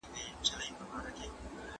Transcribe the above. کتابتوني څېړنه تر ډګر څېړني اسانه ده.